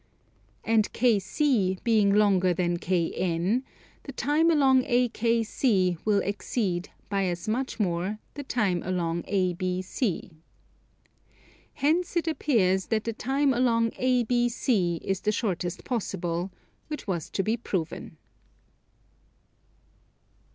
And KC being longer than KN, the time along AKC will exceed, by as much more, the time along ABC. Hence it appears that the time along ABC is the shortest possible; which was to be proven.